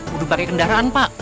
perlu pakai kendaraan pak